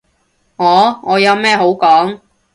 我？我有咩好講？